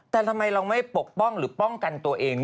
แต่ทำไมเราไม่ปกป้องหรือป้องกันตัวเอง